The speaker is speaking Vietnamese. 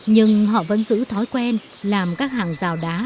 nhưng họ vẫn giữ thói quen làm các hàng rào đá